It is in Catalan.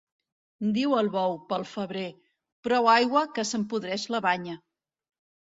Diu el bou pel febrer: —Prou aigua, que se'm podreix la banya.